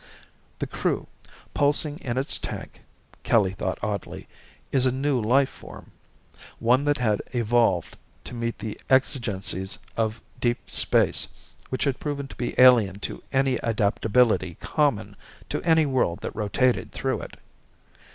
The Crew, pulsing in its tank, Kelly thought oddly, is a new life form. One that had evolved to meet the exigencies of deep space which had proven to be alien to any adaptability common to any world that rotated through it.